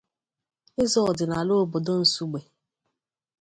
eze ọdịnala obodo Nsugbe